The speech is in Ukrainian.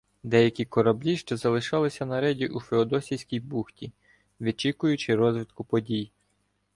Деякі кораблі ще залишалися на рейді у Феодосійській бухті, вичікуючи розвитку подій.